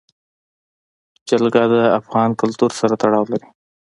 جلګه د افغان کلتور سره تړاو لري.